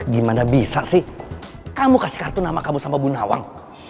gimana bisa sih kamu kasih kartu nama kamu sama bu nawang